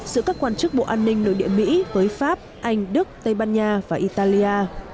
giữa các quan chức bộ an ninh nội địa mỹ với pháp anh đức tây ban nha và italia